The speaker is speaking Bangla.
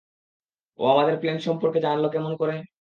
ও আমাদের প্ল্যান সম্পর্কে জানলো কেমন করে?